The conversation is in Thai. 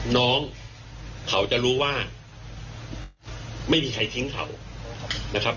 น้องเขาจะรู้ว่าไม่มีใครทิ้งเขานะครับ